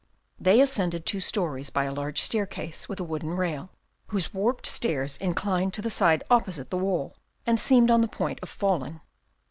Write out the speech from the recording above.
They ascended two stories by a large staircase with a wooden rail, whose warped stairs inclined to the side opposite the wall, and seemed on the point of falling.